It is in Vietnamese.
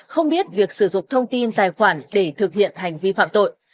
không biết việc sử dụng thông tin tài khoản để thực hiện hành vi phạm tội